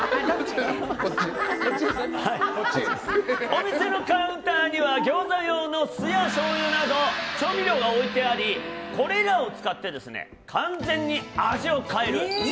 お店のカウンターには餃子用の酢や、しょうゆなど調味料が置いてありこれらを使って完全に味を変える。